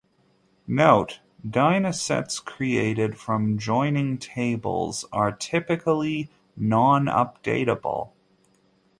Note: Dynasets created from joining tables are typically non-updateable.